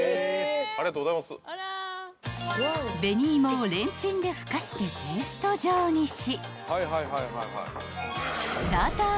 ［紅芋をレンチンでふかしてペースト状にし］